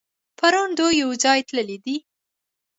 پرون دوی يوځای تللي دي.